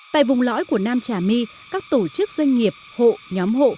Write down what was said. tại vùng lõi của nam trà my các tổ chức doanh nghiệp hộ nhóm hộ